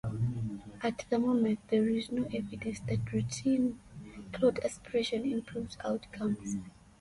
At the moment there is no evidence that routine clot aspiration improves outcomes.